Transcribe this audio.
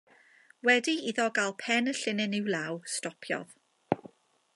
Wedi iddo gael pen y llinyn i'w law, stopiodd.